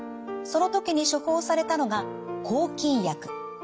その時に処方されたのが抗菌薬。